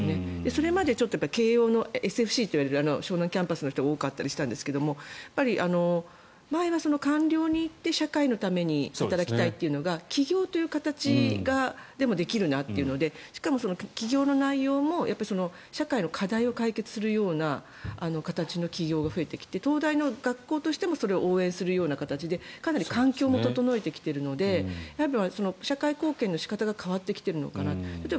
それまで、ちょっと慶応のＳＦＣといわれる湘南キャンパスの人が多かったりしたんですが前は官僚に行って社会のために働きたいというのが起業という形でもできるなということでしかも、起業の内容も社会の課題を解決するような形の起業が増えてきて、東大も学校としてもそれを応援するような形でかなり環境も整ってきてるので社会貢献の仕方が変わってきているのかなと。